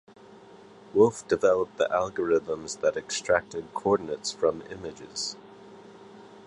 Wolf developed the algorithms that extracted coordinates from images.